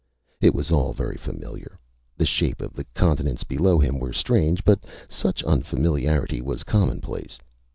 It was all very familiar. The shape of the continents below him were strange, but such unfamiliarity was commonplace.